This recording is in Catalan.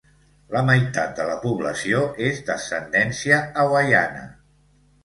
La meitat de la població és d'ascendència hawaiana.